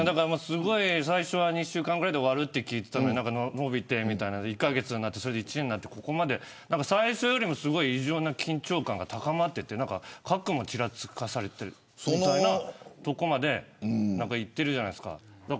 最初は、すごい２週間ぐらいで終わると聞いていたのに延びて１カ月になって１年になって最初よりもすごい異常な緊張感が高まって核もちらつかされてみたいなところまでいってるじゃないですか。